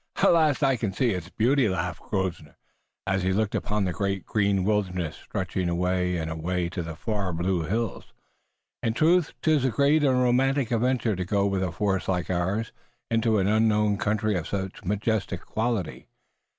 "At least I can see its beauty," laughed Grosvenor, as he looked upon the great green wilderness, stretching away and away to the far blue hills. "In truth 'tis a great and romantic adventure to go with a force like ours into an unknown country of such majestic quality."